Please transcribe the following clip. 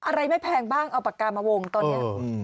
อะไรไม่แพงบ้างเอาปากกามาวงตอนนี้